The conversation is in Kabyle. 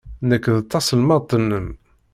Nekk d taselmadt-nnem.